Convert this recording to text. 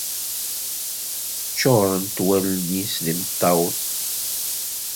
Ččuṛent-d wallen-is d imeṭṭawen.